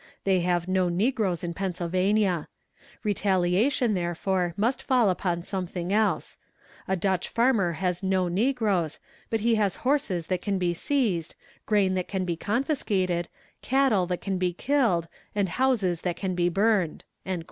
They have no negroes in Pennsylvania. Retaliation, therefore, must fall upon something else. A Dutch farmer has no negroes, but he has horses that can be seized, grain that can be confiscated, cattle that can be killed, and houses that can be burned."